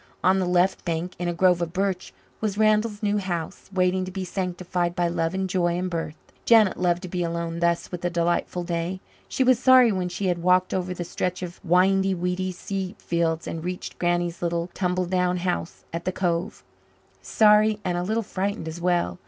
On the left bank, in a grove of birch, was Randall's new house, waiting to be sanctified by love and joy and birth. Janet loved to be alone thus with the delightful day. She was sorry when she had walked over the stretch of windy weedy sea fields and reached Granny's little tumbledown house at the Cove sorry and a little frightened as well.